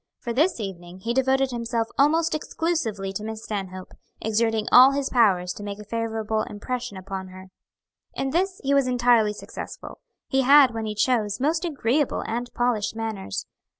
For this evening he devoted himself almost exclusively to Miss Stanhope, exerting all his powers to make a favorable impression upon her. In this he was entirely successful. He had, when he chose, most agreeable and polished manners.